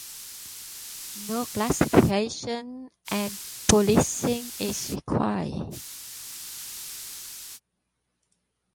No classification and policing is required.